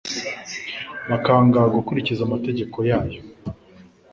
bakanga gukurikiza amategeko yayo